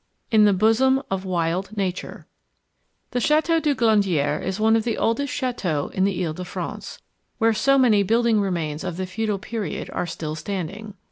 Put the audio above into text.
"In the Bosom of Wild Nature" The Chateau du Glandier is one of the oldest chateaux in the Ile de France, where so many building remains of the feudal period are still standing.